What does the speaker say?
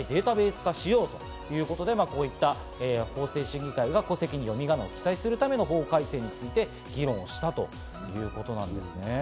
ということで、読みがなもしっかりとデータベース化しようということで、こういった法制審議会が戸籍に読みがなを記載するための法改正について議論をしたということなんですね。